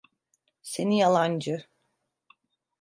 Seni yalancı!